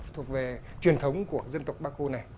thuộc về truyền thống của dân tộc baco này